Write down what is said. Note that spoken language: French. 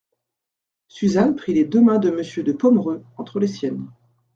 Suzanne prit les deux mains de Monsieur de Pomereux entre les siennes.